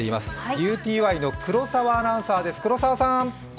ＵＴＹの黒澤アナウンサーです。